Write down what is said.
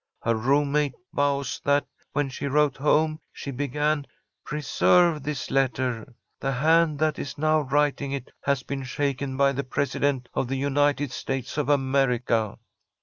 Her roommate vows that, when she wrote home, she began, 'Preserve this letter! The hand that is now writing it has been shaken by the President of the United States of America!'"